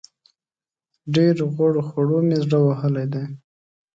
ډېرو غوړو خوړو مې زړه وهلی دی.